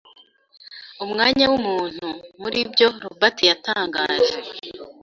umwanya w'umuntu muri byo Robert yatangaje